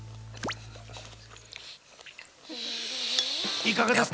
いかがですか？